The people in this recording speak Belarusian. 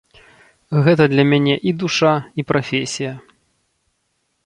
Гэта для мяне і душа, і прафесія.